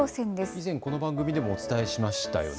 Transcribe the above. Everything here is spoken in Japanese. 以前この番組でもお伝えしましたよね。